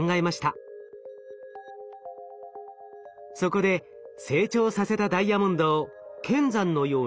そこで成長させたダイヤモンドを剣山のように極細の柱に加工。